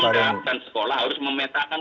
pembelajaran sekolah harus memetakan